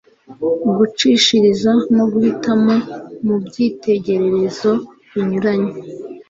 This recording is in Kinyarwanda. gucishiriza no guhitamo mu byitegererezo binyuranye